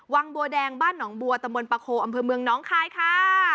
วังบัวแดงบ้านหนองบัวตะมนตะโคอำเภอเมืองน้องคายค่ะ